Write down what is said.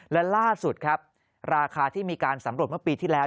และล่าสุดครับราคาที่มีการสำรวจเมื่อปีที่แล้ว